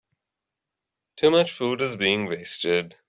Too much food is being wasted.